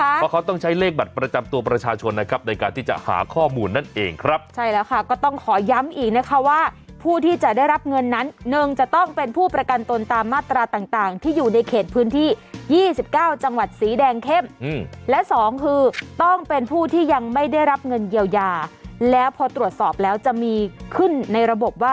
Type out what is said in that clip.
เพราะเขาต้องใช้เลขบัตรประจำตัวประชาชนนะครับในการที่จะหาข้อมูลนั่นเองครับใช่แล้วค่ะก็ต้องขอย้ำอีกนะคะว่าผู้ที่จะได้รับเงินนั้นหนึ่งจะต้องเป็นผู้ประกันตนตามมาตราต่างต่างที่อยู่ในเขตพื้นที่๒๙จังหวัดสีแดงเข้มและสองคือต้องเป็นผู้ที่ยังไม่ได้รับเงินเยียวยาแล้วพอตรวจสอบแล้วจะมีขึ้นในระบบว่า